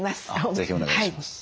是非お願いします。